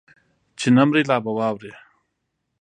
چې نه مرې لا به واورې